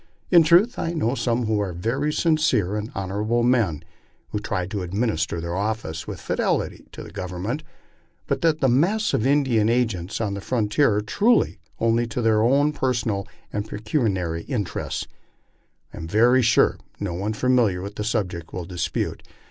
In truth I know some who are very sincere and honorable men, who try to administer their offices with fidelity to the Government; but that the mass of Indian agents on the frontier are true only to their personal and pecuniary interests, I am very sure no one familiar with the subject will dispute.